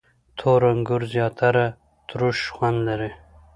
• تور انګور زیاتره تروش خوند لري.